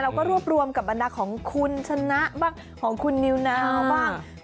เราก็รวบรวมกับบรรดาของคุณชนะบ้างของคุณนิวนาวบ้าง